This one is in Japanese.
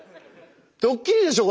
ドッキリでしょ？